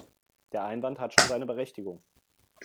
Der Einwand hat schon seine Berechtigung.